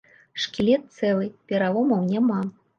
Шкілет цэлы, пераломаў няма.